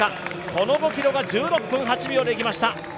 この５ｋｍが１６分８秒できました。